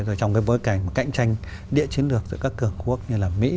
trong cái bối cảnh cạnh tranh địa chiến lược giữa các cường quốc như là mỹ